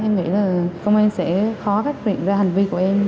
em nghĩ là công an sẽ khó khắc chuyển ra hành vi của em